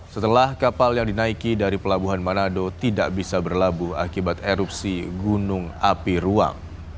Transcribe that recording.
setelah kapal yang dinaiki dari pelabuhan manado tidak bisa berlabuh akibat erupsi gunung api ruang